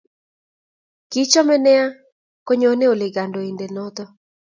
Kichome nea konyone ole kandoindet noto